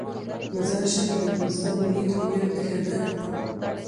مزارشریف د افغانستان د ملي هویت نښه ده.